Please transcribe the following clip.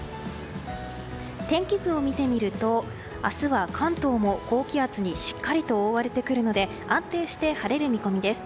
天気図を見てみると明日は関東も高気圧にしっかりと覆われてくるので安定して晴れる見込みです。